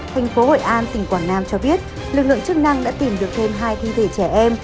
thành phố hội an tỉnh quảng nam cho biết lực lượng chức năng đã tìm được thêm hai thi thể trẻ em